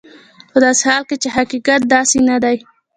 په داسې حال کې چې حقیقت داسې نه دی.